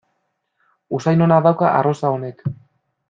Usain ona dauka arrosa honek.